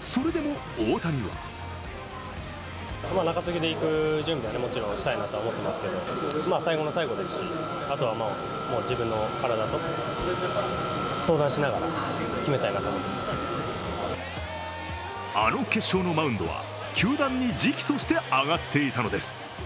それでも大谷はあの決勝のマウンドは、球団に直訴して上がっていたのです。